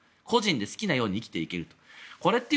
個人で好きなように生きていけると。